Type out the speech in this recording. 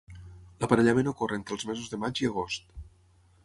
L'aparellament ocorre entre els mesos de maig i agost.